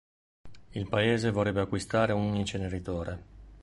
Il paese vorrebbe acquistare un inceneritore.